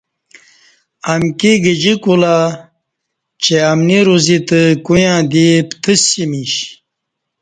امکی گجی کولہ چہ امنی روزی تہ کویاں دی پتسمیش